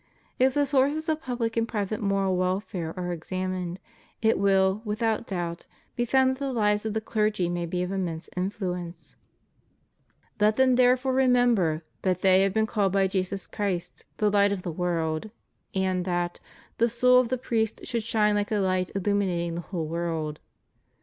If the sources of public and private moral welfare are examined, it will, without doubt, be found that the lives of the clergy may be of immense influence. Let them ' 1 Peter v, 5, THE BIGHT ORDERING OF CHRISTIAN LIFE. 175 therefore remember that they have been called by Jesus Christ the light of the world; and that "the soul of the priest should shine like a light illuminating the whole world."